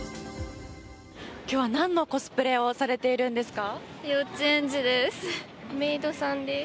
今日はなんのコスプレをされているんですか？